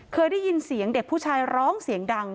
เคยได้ยินเสียงเด็กผู้ชายร้องเสียงดัง